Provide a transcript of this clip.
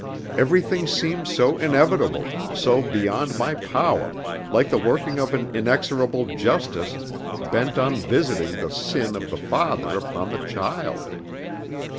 Everything seems so inevitable, so beyond my power, like the working of an inexorable justice bent on visiting the sin of the father upon the child.